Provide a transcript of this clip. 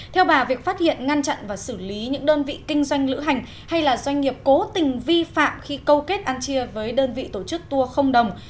theo bà việc phát hiện ngăn chặn và xử lý những đơn vị kinh doanh lữ hành hay doanh nghiệp cố tình vi phạm khi câu kết ăn chia với đơn vị tổ chức tour không đồng